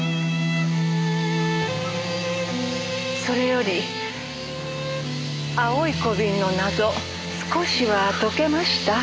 それより青い小瓶の謎少しは解けました？